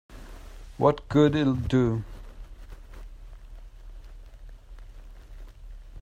What good'll it do?